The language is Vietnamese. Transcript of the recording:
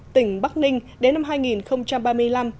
tỉnh bắc ninh đến năm hai nghìn ba mươi năm